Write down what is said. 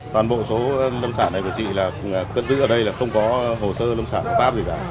toàn bộ số lâm sản này của chị là cất dấu ở đây là không có hồ sơ lâm sản pháp gì cả